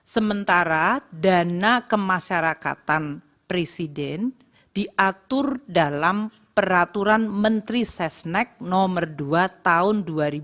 sementara dana kemasyarakatan presiden diatur dalam peraturan menteri sesnek nomor dua tahun dua ribu dua puluh